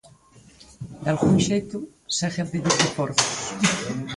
Dalgún xeito, segue a pedir reforzos.